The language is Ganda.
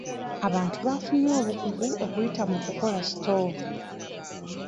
Abantu bafunye obukugu okuyita mu kukola sitoovu.